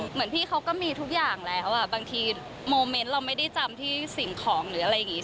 เหมือนพี่เขาก็มีทุกอย่างแล้วบางทีโมเมนต์เราไม่ได้จำที่สิ่งของหรืออะไรอย่างนี้